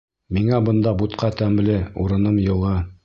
— Миңә бында бутҡа тәмле, урыным йылы.